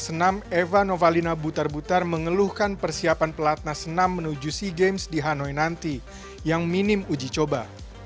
senam eva novalina butar butar mengeluhkan persiapan pelatnas senam menuju sea games di hanoi nanti yang minim uji coba